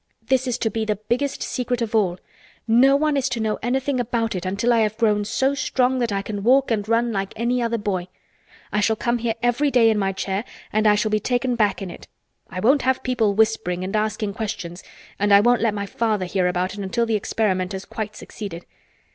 This is to be the biggest secret of all. No one is to know anything about it until I have grown so strong that I can walk and run like any other boy. I shall come here every day in my chair and I shall be taken back in it. I won't have people whispering and asking questions and I won't let my father hear about it until the experiment has quite succeeded.